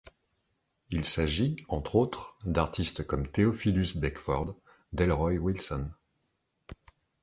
Il s'agit, entre autres, d'artistes comme Theophilus Beckford, Delroy Wilson.